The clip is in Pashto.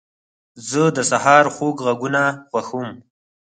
زه د سهار خوږ غږونه خوښوم.